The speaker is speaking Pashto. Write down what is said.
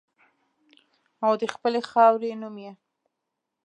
او د خپلې خاورې نوم یې